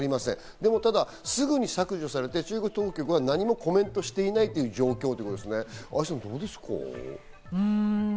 でも、すぐに削除されて中国当局は何もコメントしていない状況ですね、愛さん。